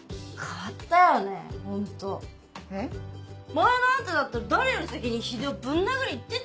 前のあんただったら誰より先に英雄をぶん殴りに行ってたよ。